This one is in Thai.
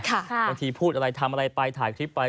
บางทีพูดอะไรทำอะไรไปถ่ายคลิปไป